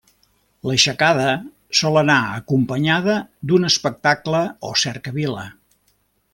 L'aixecada sol anar acompanyada d'un espectacle o cercavila.